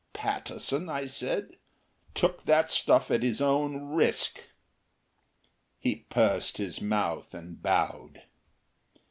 "Pattison," I said, "took that stuff at his own risk." He pursed his mouth and bowed.